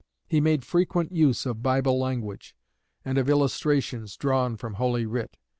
He made frequent use of Bible language, and of illustrations drawn from Holy Writ.